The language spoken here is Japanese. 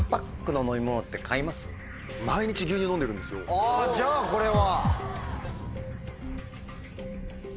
あじゃあこれは。